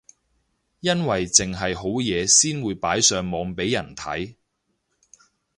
因為剩係好嘢先會擺上網俾人睇